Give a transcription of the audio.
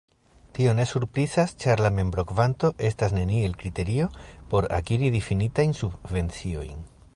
Tio ne surprizas ĉar la membrokvanto estas neniel kriterio por akiri difinitajn subvenciojn.